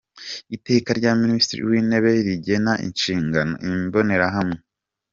Iteka rya Minisitiri w‟Intebe rigena inshingano, imbonerahamwe